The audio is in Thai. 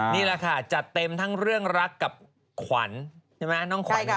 นี่แหละค่ะจัดเต็มทั้งเรื่องรักกับขวัญใช่ไหมน้องขวัญ